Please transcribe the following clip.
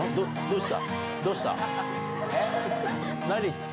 どうした？